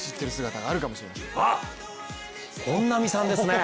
本並さんですね。